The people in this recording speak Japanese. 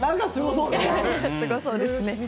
すごそうですね。